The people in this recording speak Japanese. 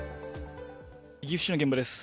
岐阜市の現場です。